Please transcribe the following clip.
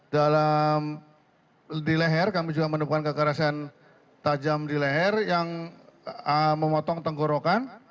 dalam di leher kami juga menemukan kekerasan tajam di leher yang memotong tenggorokan